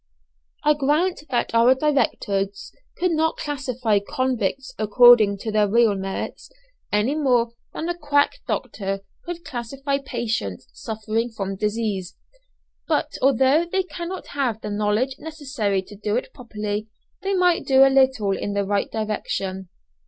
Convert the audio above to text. I grant that our directors could not classify convicts according to their real merits, any more than a quack doctor could classify patients suffering from disease; but although they cannot have the knowledge necessary to do it properly, they might do a little in the right direction.